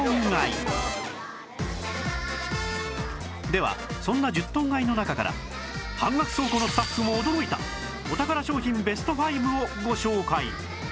ではそんな１０トン買いの中から半額倉庫のスタッフも驚いたお宝商品ベスト５をご紹介